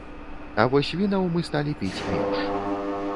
А вось вінаў мы сталі піць менш.